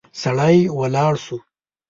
سړی ولاړ شو.